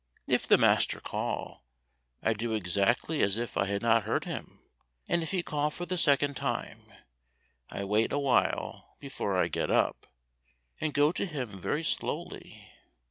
If the master call, I do exactly as if I had not heard him, and if he call for the second time, I wait awhile before I get up, and go to him very slowly.